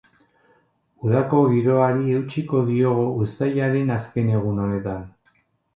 Udako giroari eutsiko diogu uztailaren azken egun honetan.